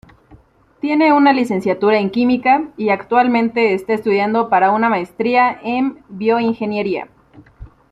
Tiene una licenciatura en Química y actualmente está estudiando para una maestría en bioingeniería.